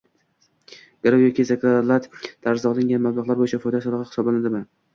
garov yoki zakalat tarzida olingan mablag‘lar bo‘yicha foyda solig‘i hisoblanadimi?